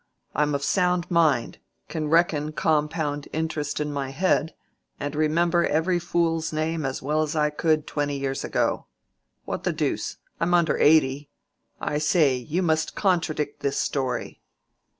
I'm of sound mind—can reckon compound interest in my head, and remember every fool's name as well as I could twenty years ago. What the deuce? I'm under eighty. I say, you must contradict this story."